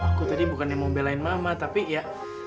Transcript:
aku tadi bukan yang mau belain mama tapi ya